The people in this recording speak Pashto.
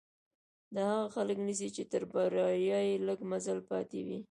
دا هغه خلک نيسي چې تر بريا يې لږ مزل پاتې وي.